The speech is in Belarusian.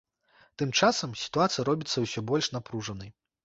Тым часам сітуацыя робіцца ўсё больш напружанай.